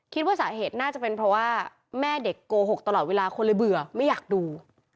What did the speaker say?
คิดว่าสาเหตุน่าจะเป็นเพราะว่าแม่เด็กโกหกตลอดเวลาคนเลยเบื่อไม่อยากดู